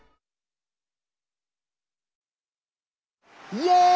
イエイ！